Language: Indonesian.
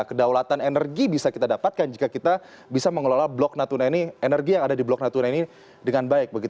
kedaulatan energi bisa kita dapatkan jika kita bisa mengelola blok natuna ini energi yang ada di blok natuna ini dengan baik